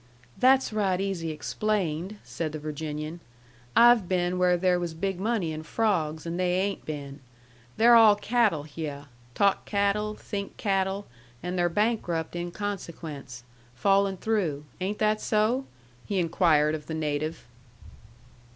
"That's right easy explained," said the Virginian. "I've been where there was big money in frawgs, and they 'ain't been. They're all cattle hyeh. Talk cattle, think cattle, and they're bankrupt in consequence. Fallen through. Ain't that so?" he inquired of the native.